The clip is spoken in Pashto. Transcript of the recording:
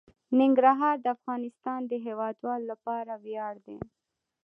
ننګرهار د افغانستان د هیوادوالو لپاره ویاړ دی.